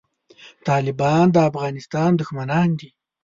طالبان د افغانستان دښمنان دي